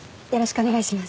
お願いします。